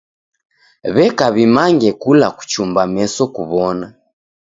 W'eka w'imange kula kuchumba meso kuw'ona.